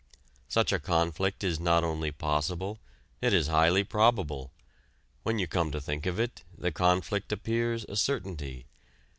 Such a conflict is not only possible; it is highly probable. When you come to think of it, the conflict appears a certainty.